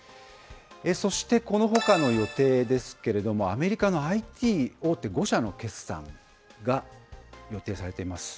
そしてこのほかの予定ですけれども、アメリカのＩＴ大手５社の決算が予定されてます。